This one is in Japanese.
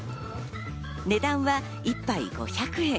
値段は１杯５００円。